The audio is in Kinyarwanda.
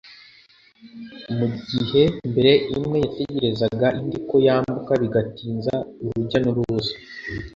mu gihe mbere imwe yategerezaga indi ko yambuka bigatinza urujya n’uruza”